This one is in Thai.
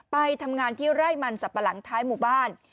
ไปทำงานที่ไร่มันสับปะหลังท้ายหมู่บ้าน